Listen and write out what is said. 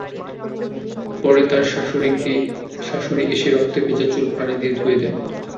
পরে তাঁর শাশুড়ি এসে রক্তে ভেজা চুল পানি দিয়ে ধুয়ে দেন।